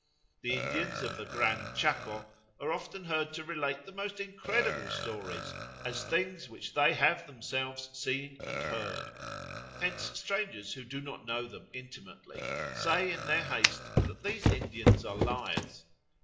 The Indians of the Gran Chaco are often heard to relate the most incredible stories as things which they have themselves seen and heard; hence strangers who do not know them intimately say in their haste that these Indians are liars.